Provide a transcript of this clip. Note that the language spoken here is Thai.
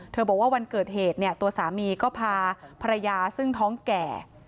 บอกว่าวันเกิดเหตุเนี่ยตัวสามีก็พาภรรยาซึ่งท้องแก่